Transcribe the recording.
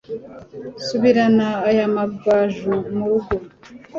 subirana aya magaju mu rugo